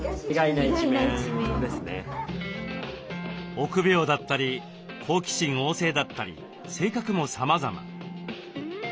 臆病だったり好奇心旺盛だったり性格もさまざま。